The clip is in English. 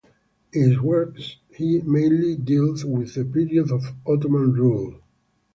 In his works he mainly dealt with the period of Ottoman rule.